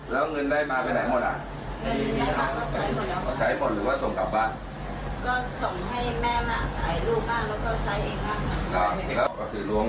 ทั้งผู้ชายผู้หญิง